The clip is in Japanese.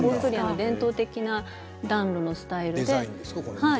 伝統的な暖炉のスタイルです。